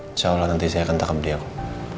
insya allah nanti saya akan takam dia kok